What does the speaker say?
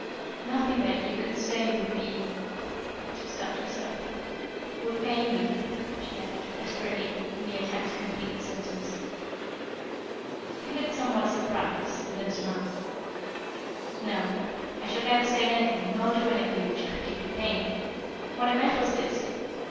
"Nothing that you could say would be " she stopped herself "would pain me," she added, desperately, in the attempt to complete the sentence. He looked somewhat surprised, and then smiled. "No. I shall never say anything, nor do anything, which could give you pain. What I meant was this.